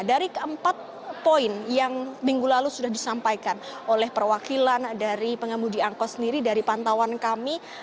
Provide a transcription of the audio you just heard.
dari keempat poin yang minggu lalu sudah disampaikan oleh perwakilan dari pengemudi angkot sendiri dari pantauan kami